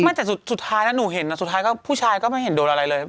ไม่แต่สุดท้ายแล้วหนูเห็นสุดท้ายก็ผู้ชายก็ไม่เห็นโดนอะไรเลย